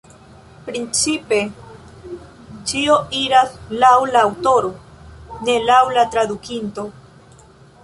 Principe ĉio iras laŭ la aŭtoro, ne laŭ la tradukinto.